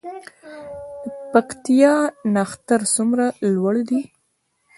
د پکتیا نښتر څومره لوړ دي؟